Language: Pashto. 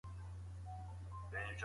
مثبت خلګ مو د ژوند لاره اسانوي.